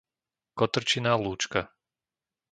Kotrčiná Lúčka